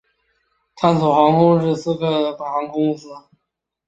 探索航空是斯洛伐克的航空公司。